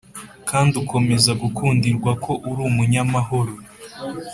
kandi ukomeza gukundirwa ko uri umunyamahoro.